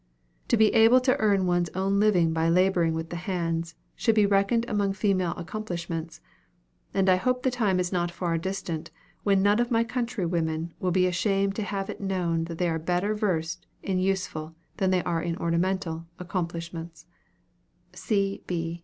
To be able to earn one's own living by laboring with the hands, should be reckoned among female accomplishments; and I hope the time is not far distant when none of my countrywomen will be ashamed to have it known that they are better versed in useful than they are in ornamental accomplishments.